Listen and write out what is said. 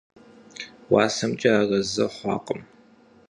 УасэмкӀэ арэзы хъуакъым.